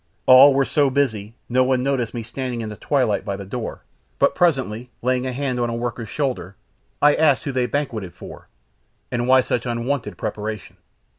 All were so busy no one noticed me standing in the twilight by the door, but presently, laying a hand on a worker's shoulder, I asked who they banqueted for, and why such unwonted preparation?